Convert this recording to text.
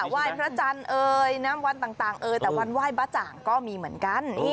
ว่ายพระจันทร์น้ำวันต่างแต่วันว่ายบะจางก็มีเหมือนกัน